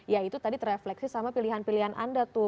ya itu tadi terefleksi sama pilihan pilihan anda tuh